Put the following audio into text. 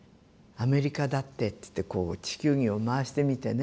アメリカだってってこう地球儀を回してみてね